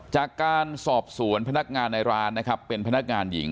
จากการสอบสวนพนักงานในร้านนะครับเป็นพนักงานหญิง